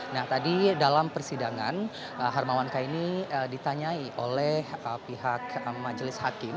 nah tadi dalam persidangan hermawan kaini ditanyai oleh pihak majelis hakim